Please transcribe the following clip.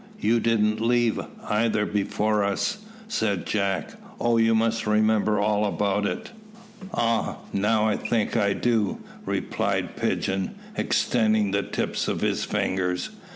You didn't leave, either, before us," said Jack. "Oh! you must remember all about it." "Ah! now I think I do," replied Pigeon, extending the tips of his fingers.